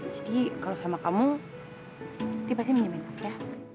jadi kalau sama kamu dia pasti minumin aku ya